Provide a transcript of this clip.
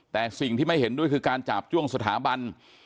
แต่สิ่งที่ไม่เห็นด้วยคือการจาบจ้วงสถาบัน